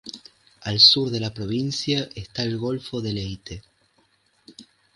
Al sur de la provincia está el golfo de Leyte.